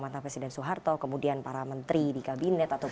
mantan presiden soeharto kemudian para menteri di kabinet